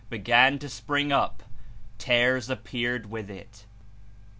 began to spring up, tares ap 162 peared with It.